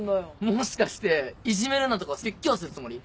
もしかしていじめるなとか説教するつもり？